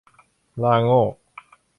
ลาโง่